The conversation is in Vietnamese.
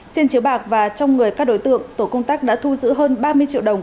trên chiếu bạc và trong người các đối tượng tổ công tác đã thu giữ hơn ba mươi triệu đồng